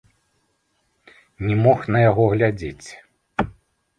Не мог на яго глядзець.